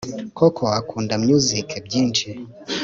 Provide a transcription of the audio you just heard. koko akunda music byinshi